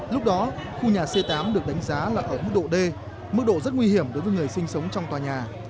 lúc đó khu nhà c tám được đánh giá là ở mức độ d mức độ rất nguy hiểm đối với người sinh sống trong tòa nhà